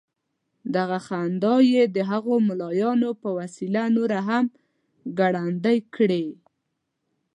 دغه خندا یې د هغو ملايانو په وسيله نوره هم ګړندۍ کړې.